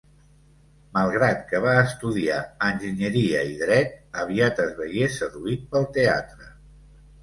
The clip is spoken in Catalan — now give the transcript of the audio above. Malgrat que va estudiar enginyeria i dret, aviat es veié seduït pel teatre.